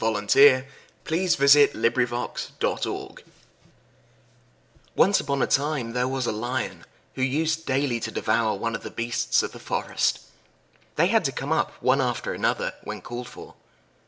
The Lion and the Hare ONCE upon a time there was a Lion, who used daily to devour one of the beasts of the forest. They had to come up one after another, when called for.